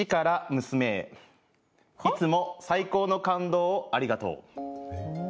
「いつも最高の感動をありがとう」。